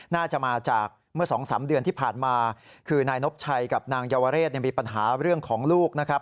น่าจะมาจากเมื่อสองสามเดือนที่ผ่านมาคือนายนบชัยกับนางเยาวเรศมีปัญหาเรื่องของลูกนะครับ